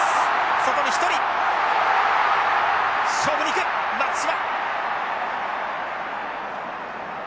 そこに一人勝負にいく松島！